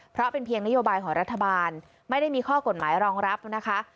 เพราะเป็นเพียงนโยบายของรัฐบาลไม่ได้มีข้อกฎหมายรองรับนะคะ